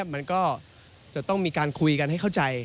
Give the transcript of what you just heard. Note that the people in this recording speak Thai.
มันก็จะต้องมีการคุยกันให้เข้าใจ